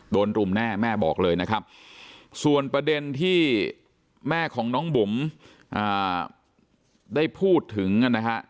รุมแน่แม่บอกเลยนะครับส่วนประเด็นที่แม่ของน้องบุ๋มได้พูดถึงกันนะฮะ